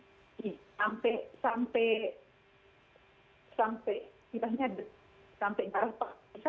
kita hanya sampai